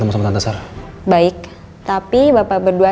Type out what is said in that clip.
tegang'reo di foam pens outer were lu vari